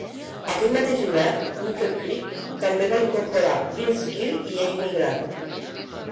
Aquell mateix hivern, Nickel Creek també va incorporar Vince Gill i Amy Grant.